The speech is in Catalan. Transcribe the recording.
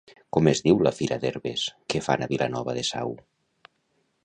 Com es diu la fira d'herbes que fan a Vilanova de Sau?